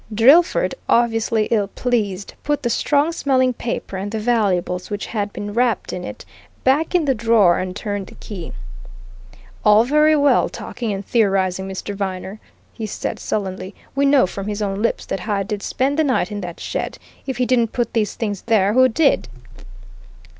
Drillford, obviously ill pleased, put the strongly smelling paper and the valuables which had been wrapped in it, back in the drawer and turned the key. "All very well talking and theorizing, Mr. Viner," he said sullenly. "We know from his own lips that Hyde did spend the night in that shed. If he didn't put these things there, who did?"